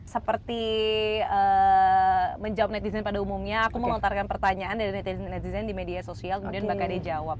seperti menjawab netizen pada umumnya aku melontarkan pertanyaan dari netizen di media sosial kemudian mbak kade jawab